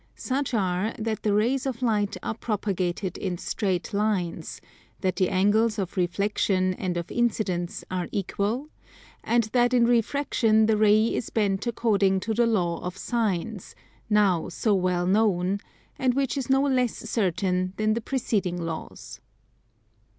Such are that the rays of light are propagated in straight lines; that the angles of reflexion and of incidence are equal; and that in refraction the ray is bent according to the law of sines, now so well known, and which is no less certain than the preceding laws.